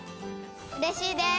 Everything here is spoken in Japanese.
うれしいです！